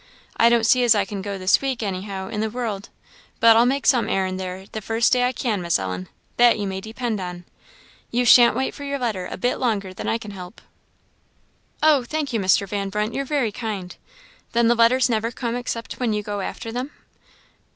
I don't see as I can go this week, anyhow, in the world; but I'll make some errand there the first day I can, Miss Ellen that you may depend on. You shan't wait for your letter a bit longer than I can help." "Oh, thank you, Mr. Van Brunt you're very kind. Then the letters never come except when you go after them?"